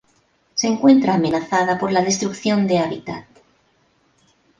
Se encuentra amenazada por la destrucción de hábitat.